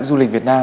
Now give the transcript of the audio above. du lịch việt nam